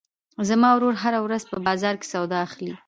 زما ورور هره ورځ په بازار کې سودا اخلي.